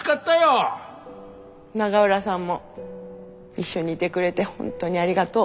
永浦さんも一緒にいてくれて本当にありがとう。